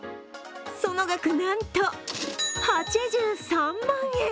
その額、なんと８３万円。